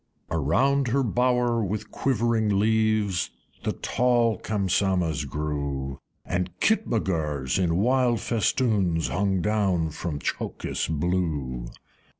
Around her bower, with quivering leaves, The tall Kamsamahs grew, And Kitmutgars in wild festoons Hung down from Tchokis blue.